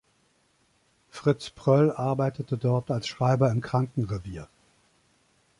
Fritz Pröll arbeitete dort als Schreiber im Krankenrevier.